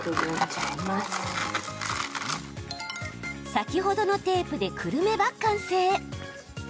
先ほどのテープでくるめば完成。